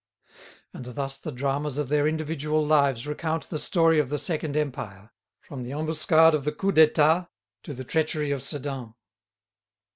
And thus the dramas of their individual lives recount the story of the Second Empire, from the ambuscade of the Coup d'État to the treachery of Sedan.